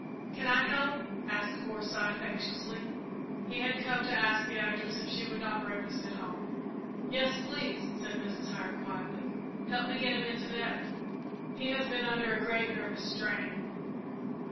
"Can I help?" asked Forsyth, anxiously. He had come to ask Beatrice if she would not breakfast at home. "Yes, please," said Mrs. Howard, quietly. "Help me get him into bed. He has been under a great nervous strain."